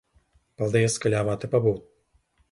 Paldies, ka ļāvāt te pabūt.